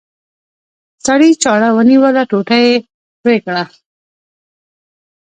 سړي چاړه ونیوله ټوټه یې پرې کړه.